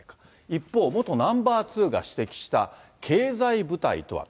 一方、元ナンバー２が指摘した経済部隊とは。